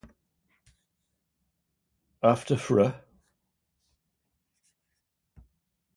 After Fr.